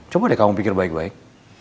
coba deh kamu pikir baik baik